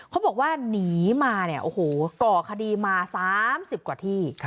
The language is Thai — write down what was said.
เขาบอกว่าหนีมาเนี่ยโอ้โหก่อคดีมา๓๐กว่าที่